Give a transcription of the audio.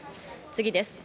次です。